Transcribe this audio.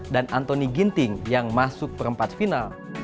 dan anthony ginting yang masuk perempat final